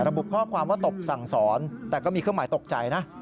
ระบุข้อความว่าตบสั่งสอนแต่ก็มีเครื่องหมายตกใจนะ